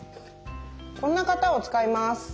こんな型を使います。